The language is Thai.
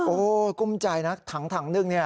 โอ้โหกุ้มใจนะถังหนึ่งเนี่ย